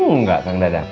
enggak kang dadang